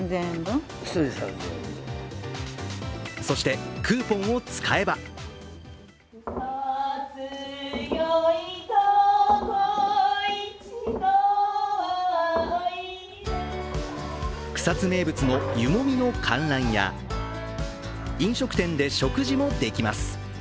そしてクーポンを使えば草津名物の湯もみの観覧や飲食店で食事もできます。